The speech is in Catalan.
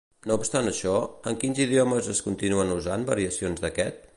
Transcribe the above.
No obstant això, en quins idiomes es continuen usant variacions d'aquest?